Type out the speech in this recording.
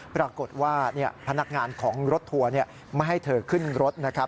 พนักงานของรถทัวร์ไม่ให้เธอขึ้นรถนะครับ